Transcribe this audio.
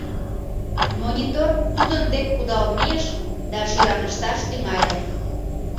Монитор тудын дек кудал мийыш да шӱраҥышташ тӱҥале.